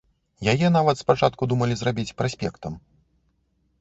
Яе нават спачатку думалі зрабіць праспектам.